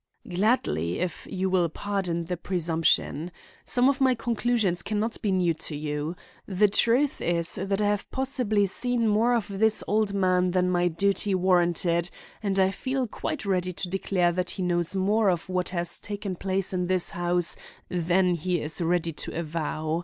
"Gladly, if you will pardon the presumption. Some of my conclusions can not be new to you. The truth is that I have possibly seen more of this old man than my duty warranted, and I feel quite ready to declare that he knows more of what has taken place in this house than he is ready to avow.